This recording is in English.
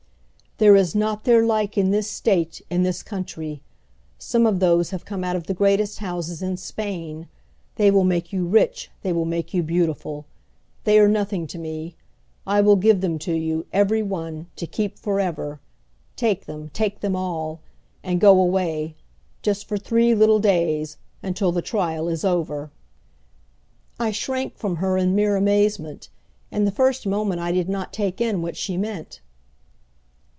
"There is not their like in this state, in this country. Some of those have come out of the greatest houses in Spain. They will make you rich, they will make you beautiful! They are nothing to me; I will give them to you, every one, to keep for ever! Take them take them all! And go away! Just for three little days; until the trial is over!" I shrank from her in mere amazement. In the first moment I did not take in what she meant.